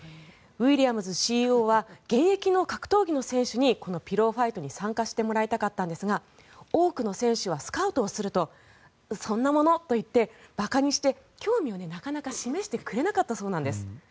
ウィリアムズＣＥＯは現役の格闘技の選手にこのピロー・ファイトに参加してもらいたかったんですが多くの選手はスカウトをするとそんなものといって馬鹿にして、興味をなかなか示してくれなかったそうなんです。